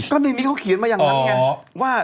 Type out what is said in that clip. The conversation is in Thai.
ก็ในนี้เขาเขียนมาอย่างนั้นไงว่า